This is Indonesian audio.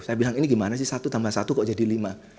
saya bilang ini gimana sih satu tambah satu kok jadi lima